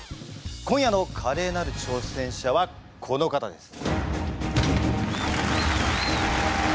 今夜のカレーなる挑戦者はこの方です！